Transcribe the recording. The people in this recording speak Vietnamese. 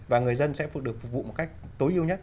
và người dân sẽ được phục vụ một cách tối ưu nhất